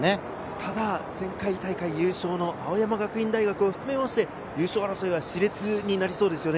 ただ前回大会優勝の青山学院大学を含めまして優勝争いは熾烈になりそうですね。